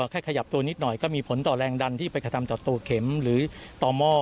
ขยับตัวนิดหน่อยก็มีผลต่อแรงดันที่ไปกระทำต่อตัวเข็มหรือต่อหม้อ